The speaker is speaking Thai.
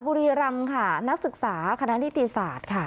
บุรีรำค่ะนักศึกษาคณะนิติศาสตร์ค่ะ